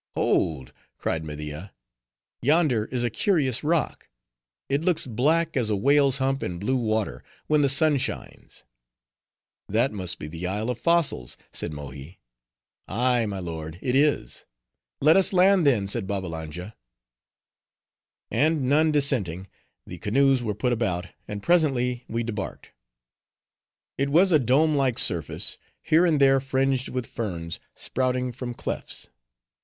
"Hold!" cried Media, "yonder is a curious rock. It looks black as a whale's hump in blue water, when the sun shines." "That must be the Isle of Fossils," said Mohi. "Ay, my lord, it is." "Let us land, then," said Babbalanja. And none dissenting, the canoes were put about, and presently we debarked. It was a dome like surface, here and there fringed with ferns, sprouting from clefts.